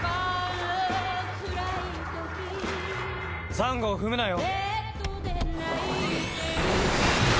サンゴを踏むなよ。